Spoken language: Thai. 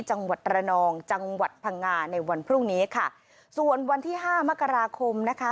จังหวัดระนองจังหวัดพังงาในวันพรุ่งนี้ค่ะส่วนวันที่ห้ามกราคมนะคะ